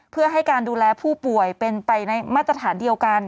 เพื่อให้การดูแลผู้ป่วยเป็นไปในมาตรฐานเดียวกัน